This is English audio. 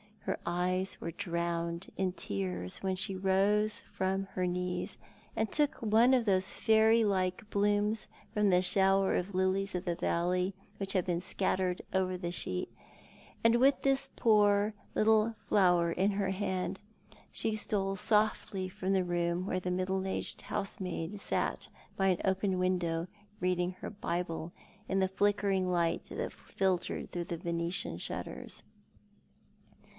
Her eyes were drowned in tears when she rose from her knees, and took one of those fairy like blooms from the shower of lilies of the valley which had been scattered over the sheet, and with this poor " What Love was as Deep as a Grave f" 157 little flower in her hand she stole softly from the room svhere the middle aged housemaid sat by an open window reading her Bible in the flickering light that filtered through the Venetian shutters.